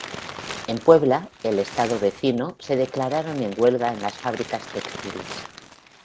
En Puebla, el estado vecino, se declararon en huelga en las fábricas de textiles.